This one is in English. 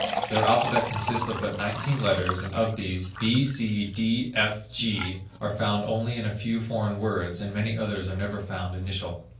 Their alphabet consists of but nineteen letters, and of these, b, c, d, f, g, are found only in a few foreign words, and many others are never found initial.